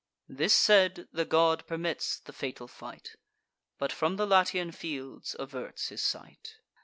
This said, the god permits the fatal fight, But from the Latian fields averts his sight.